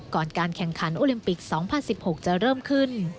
ก่อนการแข่งขันโอลิมปิก๒๐๑๖จะเริ่มขึ้น